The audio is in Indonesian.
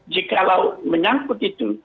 jikalau menyangkut itu